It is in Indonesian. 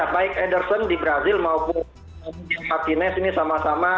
kalau ada penalti yang berakhir di brazil maupun martinez ini sama sama